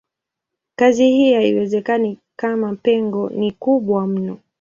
Kazi hii haiwezekani kama pengo ni kubwa mno.